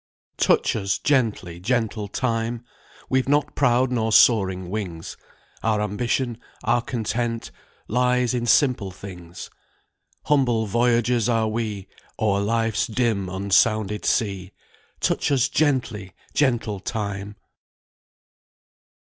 "Touch us gently, gentle Time! We've not proud nor soaring wings, Our ambition, our content, Lies in simple things; Humble voyagers are we O'er life's dim unsounded sea; Touch us gently, gentle Time!"